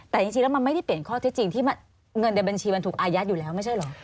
แต่จริงแล้วมันไม่ได้เปลี่ยนข้อเท็จจริงที่เงินในบัญชีมันถูกอายัดอยู่แล้วไม่ใช่เหรอ